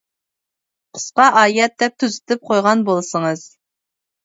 قىسقا ئايەت دەپ تۈزىتىپ قويغان بولسىڭىز.